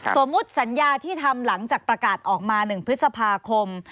สมมุติสัญญาที่ทำหลังจากประกาศออกมา๑พฤษภาคม